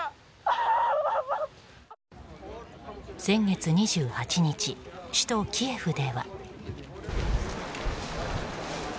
先月２８日、首都キエフでは。